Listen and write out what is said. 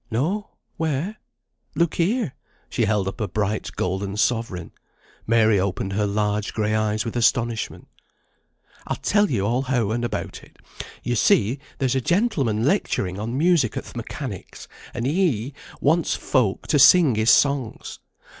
"No; where?" "Look here." She held up a bright golden sovereign. Mary opened her large gray eyes with astonishment. "I'll tell you all how and about it. You see there's a gentleman lecturing on music at th' Mechanics', and he wants folk to sing his songs.